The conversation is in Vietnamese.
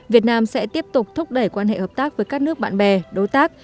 việt nam sẽ tiếp tục thúc đẩy quan hệ hợp tác với các nước bạn bè đối tác